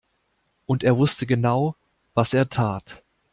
Und er wusste genau, was er tat.